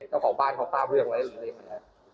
เจ้าของบ้านเขาตามเรื่องไว้หรือเปลี่ยนไหมครับ